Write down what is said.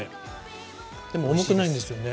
でも重くないんですよね。